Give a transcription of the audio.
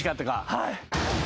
はい。